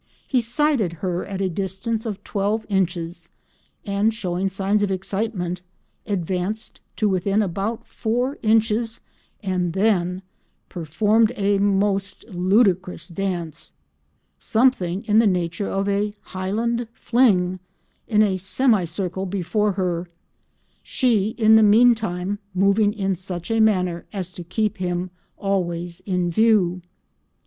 He sighted her at a distance of twelve inches, and showing signs of excitement, advanced to within about four inches and then performed a most ludicrous dance—something in the nature of a "highland fling," in a semicircle before her, she, in the meantime, moving in such a manner as to keep him always in view.